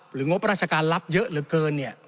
หรืองบราชาการลับเยอะเว่าเกินเนี่ย